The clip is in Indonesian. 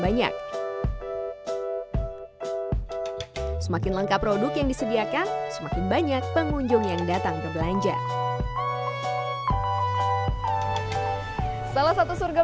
mau beli dengan jumlah yang sedikit ataupun banyak anda bisa dapatkan dengan harga yang terjangkau